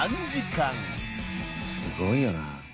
すごいよな。